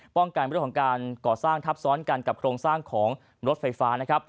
การเรื่องของการก่อสร้างทับซ้อนกันกับโครงสร้างของรถไฟฟ้านะครับ